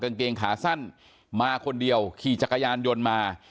กางเกงขาสั้นมาคนเดียวขี่จักรยานยนต์มา